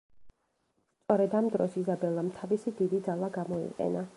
სწორედ ამ დროს იზაბელამ თავისი დიდი ძალა გამოიყენა.